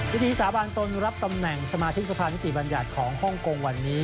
พิธีสาบานตนรับตำแหน่งสมาชิกสภานิติบัญญัติของฮ่องกงวันนี้